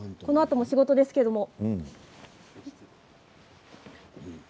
このあとも仕事ですけれど。